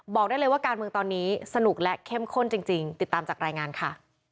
บอกได้เลยว่าการเมืองตอนนี้สนุกและเข้มข้นจริงติดตามจากรายงานค่ะ